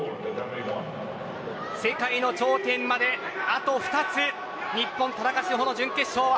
世界の頂点まであと２つ日本、田中志歩の準決勝